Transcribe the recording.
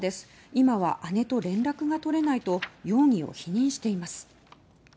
今は姉と連絡が取れないと容疑を否認しています。